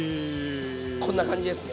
こんな感じですね。